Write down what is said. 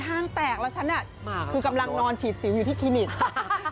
ห้างแตกแล้วฉันน่ะคือกำลังนอนฉีดสิวอยู่ที่คลินิกค่ะ